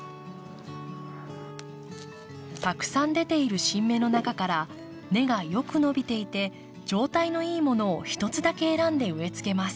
たくさん出ている新芽の中から根がよく伸びていて状態のいいものを１つだけ選んで植えつけます。